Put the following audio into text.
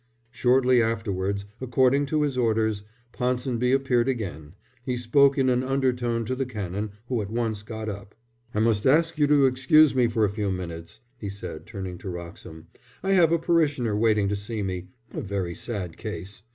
Shortly afterwards, according to his orders, Ponsonby appeared again. He spoke in an undertone to the Canon, who at once got up. "I must ask you to excuse me for a few minutes," he said, turning to Wroxham. "I have a parishioner waiting to see me a very sad case.